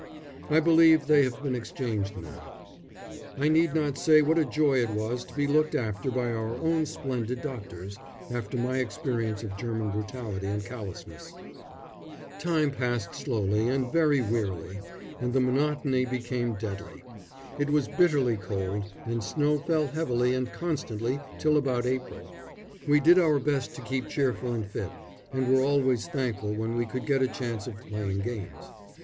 I believe they have been exchanged now. I need not say what a joy it was to be looked after by our own splendid doctors, after my experience of German brutality and callousness. [Illustration: To face p. 24. A BRITISH SOLDIER HELPING A WOUNDED GERMAN PRISONER INTO A CONVEYANCE.] Time passed slowly and very wearily, and the monotony became deadly. It was bitterly cold, and snow fell heavily and constantly till about April. We did our best to keep cheerful and fit, and were always thankful when we could get a chance of playing games.